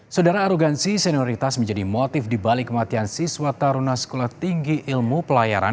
saudara arogansi senioritas menjadi motif dibalik kematian siswa taruna sekolah tinggi ilmu pelayaran